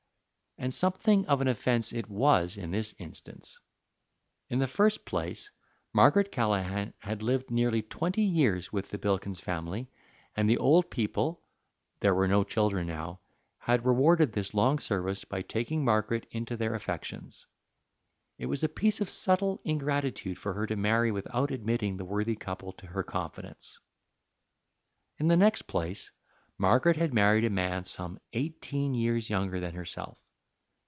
And something of an offense it was in this instance. In the first place, Margaret Callaghan had lived nearly twenty years with the Bilkins family, and the old people there were no children now had rewarded this long service by taking Margaret into their affections. It was a piece of subtle ingratitude for her to marry without admitting the worthy couple to her confidence. In the next place, Margaret had married a man some eighteen years younger than herself.